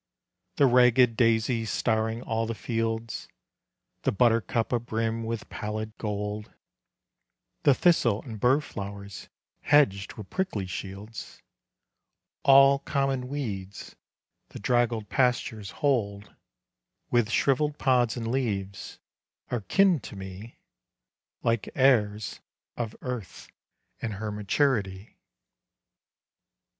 The ragged daisy starring all the fields, The buttercup abrim with pallid gold, The thistle and burr flowers hedged with prickly shields, All common weeds the draggled pastures hold, With shrivelled pods and leaves, are kin to me, Like heirs of earth and her maturity.